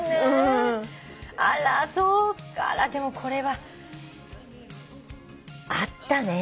あらそうでもこれはあったね。